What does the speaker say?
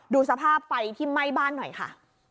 ดูสภาพไฟที่ไหม้บ้านหน่อยค่ะ